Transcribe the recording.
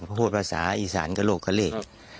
พูดภาษาอีสานกระโลกะเลก